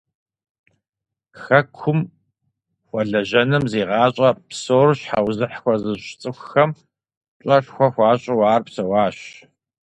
Хэкум хуэлэжьэным зи гъащӀэ псор щхьэузыхь хуэзыщӀ цӀыхухэм пщӀэшхуэ хуащӀу ар псэуащ.